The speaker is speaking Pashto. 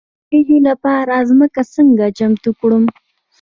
د وریجو لپاره ځمکه څنګه چمتو کړم؟